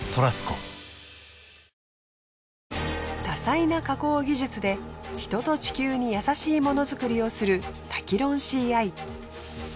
多彩な加工技術で人と地球に優しいものづくりをするタキロンシーアイ。